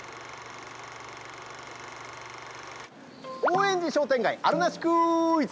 高円寺商店街あるなしクイズ！